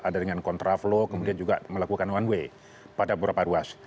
ada dengan kontraflow kemudian juga melakukan one way pada beberapa ruas